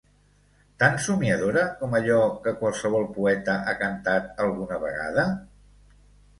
Tan somiadora com allò que qualsevol poeta ha cantat alguna vegada?